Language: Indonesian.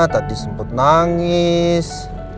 tadi sempet nangis